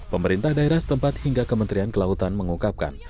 pemerintah daerah setempat hingga kementerian kelautan mengungkapkan